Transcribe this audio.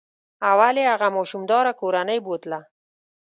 اول یې هغه ماشوم داره کورنۍ بوتله.